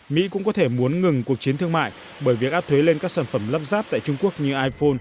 mỹ cũng có thể muốn ngừng cuộc chiến thương mại bởi việc áp thuế lên các sản phẩm lắp ráp tại trung quốc như iphone